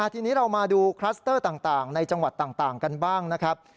ทีนี้เรามาดูคลัสเตอร์ต่างในจังหวัดต่างกันบ้างนะครับ